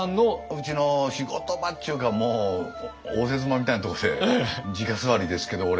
うちの仕事場っちゅうか応接間みたいなとこでじか座りですけど俺は。